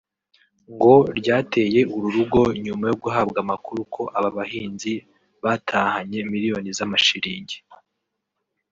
ngo ryateye uru rugo nyuma yo guhabwa amakuru ko aba bahanzi batahanye miliyoni z’amashiringi